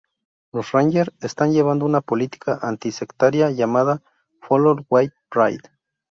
Los Ranger están llevando una política anti sectaria llamada Follow With Pride.